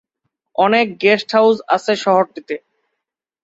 অনেক guest house আছে শহরটিতে।